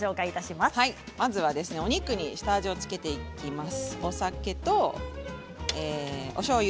まずは、お肉に下味を付けていきます。